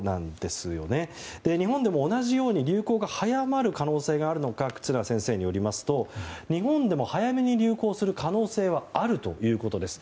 日本でも同じように流行が早まる可能性があるのか忽那先生によりますと日本でも早めに流行する可能性はあるということです。